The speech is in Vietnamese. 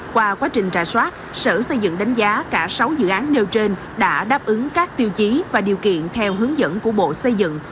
qua quá trình trả soát sở xây dựng đánh giá cả sáu dự án nêu trên đã đáp ứng các tiêu chí và điều kiện theo hướng dẫn của bộ xây dựng